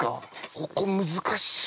ここ難しい。